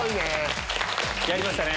やりましたね。